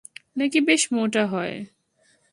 নাকি বেশ মোটা হয়?